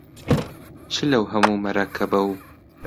چ لەو هەموو مەرەکەب و